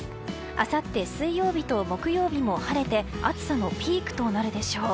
あさって水曜日と木曜日も晴れて暑さのピークとなるでしょう。